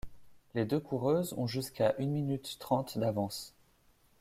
Les deux coureuses ont jusqu'à une minute trente d'avance.